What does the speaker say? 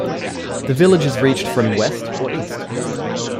The village is reached from west or east.